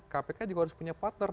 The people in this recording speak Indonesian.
kpk juga harus punya partner